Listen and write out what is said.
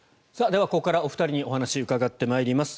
では、ここからお二人にお話を伺ってまいります。